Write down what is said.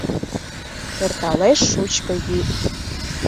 Эрталеш шучко йӱд.